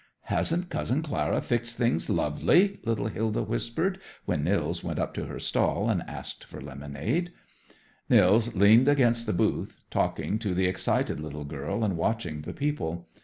"Hasn't Cousin Clara fixed things lovely?" little Hilda whispered, when Nils went up to her stall and asked for lemonade. Nils leaned against the booth, talking to the excited little girl and watching the people.